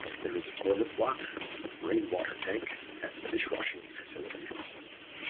There is a toilet block, rain water tank and dish-washing facilities.